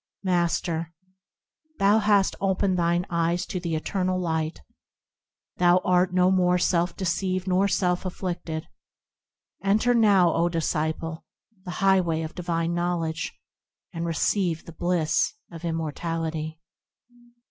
Master. Thou hast opened thine eyes to the Eternal Light; Thou art no more self deceived nor self afflicted. Enter now, O disciple ! the highway of divine knowledge, And receive the bliss of immortality.